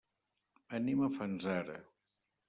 Anem a Fanzara.